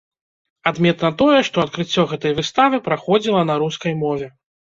Адметна тое, што адкрыццё гэтай выставы праходзіла на рускай мове.